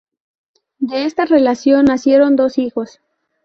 De esta relación nacieron dos hijos.